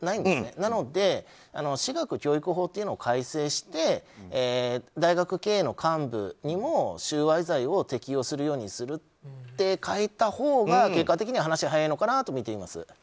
なので私学教育法というのを改正して大学経営の幹部にも収賄罪を適用するようにすると変えたほうが結果的には話が早いのかなとみています。